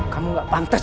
kamu gak pantas